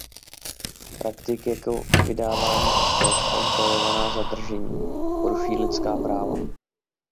Praktiky jako vydávání osob a utajovaná zadržení porušují lidská práva.